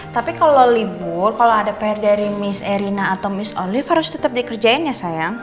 tapi kalau libur kalau ada pr dari miss erina atau miss onlift harus tetap dikerjain ya sayang